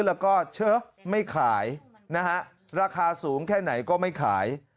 แล้วก็เชอะไม่ขายนะฮะราคาสูงแค่ไหนก็ไม่ขาย